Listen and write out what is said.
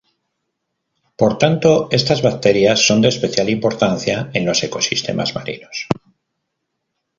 Por tanto, estas bacterias son de especial importancia en los ecosistemas marinos.